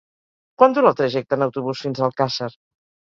Quant dura el trajecte en autobús fins a Alcàsser?